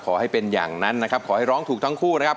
ขอให้เป็นอย่างนั้นนะครับขอให้ร้องถูกทั้งคู่นะครับ